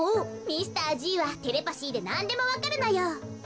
ミスターＧはテレパシーでなんでもわかるのよ。